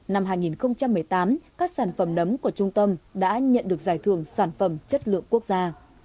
năm hai nghìn một mươi tám các sản phẩm nấm của trung tâm đã nhận được giải thưởng sản phẩm chất lượng quốc gia